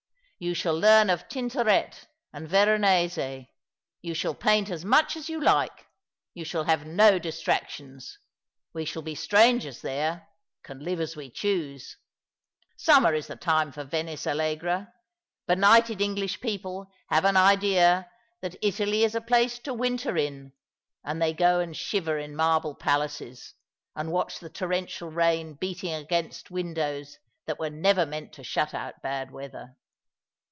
You shall learn of Tintoret and Veronese. You shall paint as much as you like. You shall have no distractions. We shall be strangers there, can live as we choose. Summer is the time for Venice, Allegra. Benighted English people have an idea that Italy is a place to winter in, and they go and shiver in marble palaces, and watch the torrential rain beating against windows that were never meant to shut out bad weather.